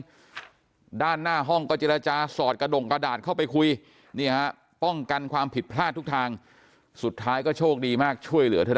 เพื่อได้แยกเฉิงให้ตอนนี้เจ้าหน้าจะหลับไปเพื่อซ่อมเหมือน